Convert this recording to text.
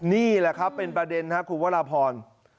นี่แหละครับเป็นประเด็นครับคุณวรพร